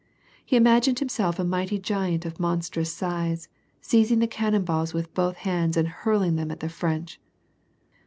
He imagined himself a mighty giant of monstrous size, seiz ing the cannon balls with both hands and hurling them at the French.